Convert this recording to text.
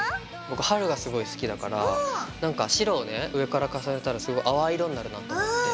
僕春がすごい好きだからなんか白をね上から重ねたらすごい淡い色になるかなと思って。